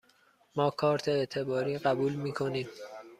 ما کارت اعتباری قبول می کنیم.